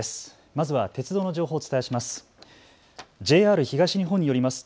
まずは鉄道の情報をお伝えします。